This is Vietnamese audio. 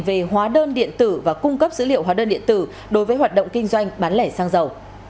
về hóa đơn điện tử và cung cấp dữ liệu hóa đơn điện tử đối với hoạt động kinh doanh bán lẻ xăng dầu